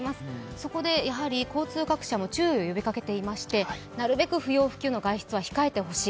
そこで、交通各社も注意を予備かけていまして、なるべく不要不急の外出は控えてほしい。